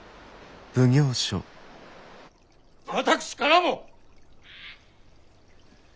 私からも！